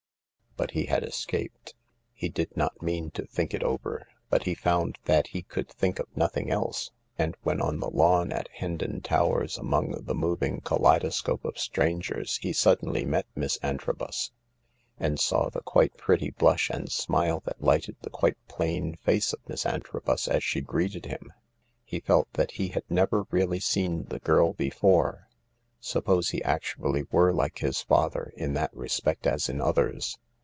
/' But he had escaped. He did not mean to think it over. But he found that he could think of nothing else ; and when on the lawn at 14 THE LARK Hendon Towers among the moving kaleidoscope of strangers he suddenly met Miss Antrobus, and saw thfqmte^rSy bSt^T 16 ^ W d , the quite ^ face of Mss a22 the SftC^c 1Um ' h V dt that he ^ never reaU y « the girl before. Suppose he actually were like bis father, in that respect as ln others